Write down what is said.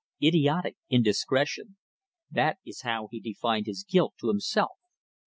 Idiotic indiscretion; that is how he defined his guilt to himself.